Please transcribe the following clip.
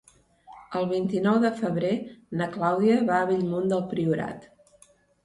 El vint-i-nou de febrer na Clàudia va a Bellmunt del Priorat.